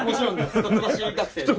一橋学生です。